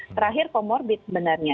terakhir comorbid sebenarnya